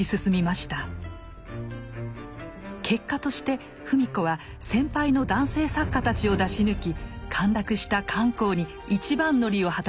結果として芙美子は先輩の男性作家たちを出し抜き陥落した漢口に一番乗りを果たします。